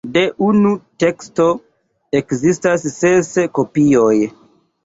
De unu teksto ekzistas ses kopioj.